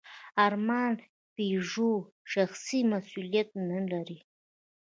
ارمان پيژو شخصي مسوولیت نهلري.